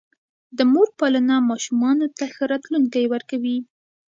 د مور پالنه ماشومانو ته ښه راتلونکی ورکوي.